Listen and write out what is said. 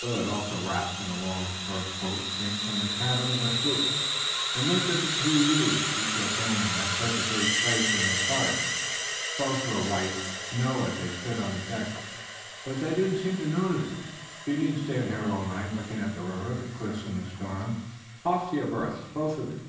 Willet, also wrapped in a long fur cloak, came from the cabin of the sloop and looked at the two youths, each of whom had such a great place in his heart. Both were white with snow as they stood on the deck, but they did not seem to notice it. "Come now," said the hunter with assumed brusqueness. "You needn't stand here all night, looking at the river, the cliffs and the storm. Off to your berths, both of you."